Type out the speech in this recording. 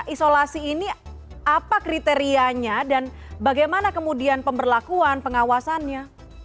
isolasi ini apa kriterianya dan bagaimana kemudian pemberlakuan pengawasannya